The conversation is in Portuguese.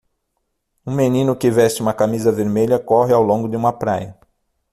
Um menino que veste uma camisa vermelha corre ao longo de uma praia.